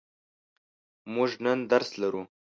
موږ نن درس لرو.